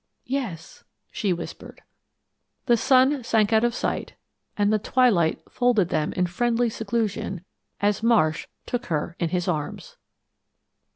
"Yes," she whispered. The sun sank out of sight and the twilight folded them in friendly seclusion as Marsh took her in his arms.